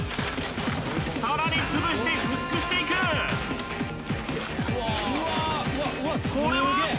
さらにつぶして薄くしていくこれは？